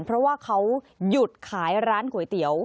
เพราะว่าเขาหยุดขายร้านก๋วยเตี๋ยว